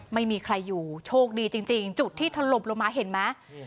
ไม่มีใครอยู่โชคดีจริงจุดที่ถล่มลงมาเห็นไหม